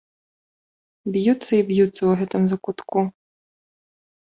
Б'юцца і б'юцца ў гэтым закутку.